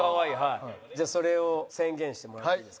じゃあそれを宣言してもらっていいですか？